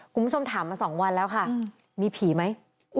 คุณผู้ชมถามมา๒วันแล้วค่ะมีผีไหม